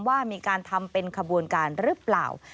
ว่ามีการทำเป็นขบวนการหรือเปล่า